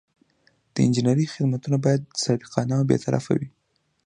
د انجینر خدمتونه باید صادقانه او بې طرفه وي.